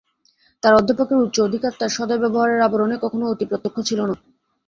তাঁর অধ্যাপকের উচ্চ অধিকার তাঁর সদয় ব্যবহারের আবরণে কখনো অতিপ্রত্যক্ষ ছিল না।